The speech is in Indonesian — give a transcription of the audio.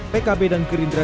pkb dan gerindra